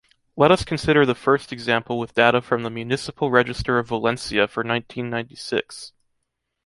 Let us consider the first example with data from the Municipal Register of Valencia for nineteen ninety-six.